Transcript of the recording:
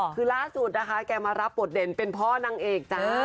คือล่าสุดนะคะแกมารับบทเด่นเป็นพ่อนางเอกจ้า